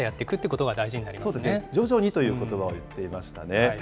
そうですね、徐々にということばを言っていましたね。